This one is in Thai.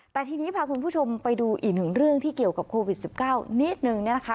แต่ทีนี้พาคุณผู้ชมไปดูอีกหนึ่งเรื่องที่เกี่ยวกับโควิด๑๙นิดนึงเนี่ยนะคะ